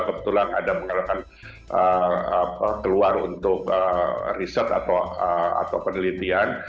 kebetulan ada mengadakan keluar untuk riset atau penelitian